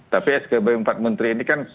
tapi skb empat menteri ini kan